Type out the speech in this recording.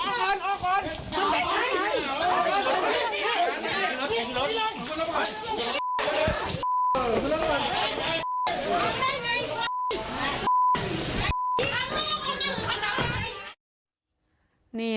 ไอไอไอเนี่ยไอ